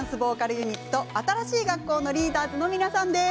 ユニット新しい学校のリーダーズの皆さんです。